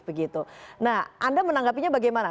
begitu nah anda menanggapinya bagaimana